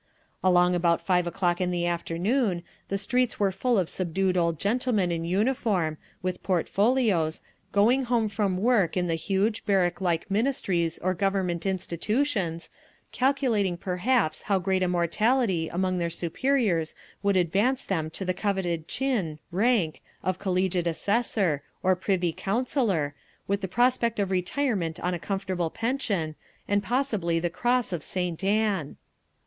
Along about five o'clock in the afternoon the streets were full of subdued old gentlemen in uniform, with portfolios, going home from work in the huge, barrack like Ministries or Government institutions, calculating perhaps how great a mortality among their superiors would advance them to the coveted tchin (rank) of Collegiate Assessor, or Privy Councillor, with the prospect of retirement on a comfortable pension, and possibly the Cross of St. Anne….